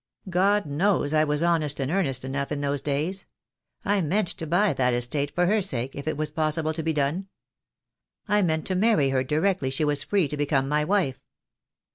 "God knows I was honest and earnest enough in those days. I meant to buy that estate, for her sake, if it was possible to be done. I meant to marry her directly she was free to become my wife.